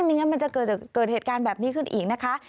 งั้นมันจะเกิดเหตุการณ์แบบนี้ขึ้นอีกนะคะ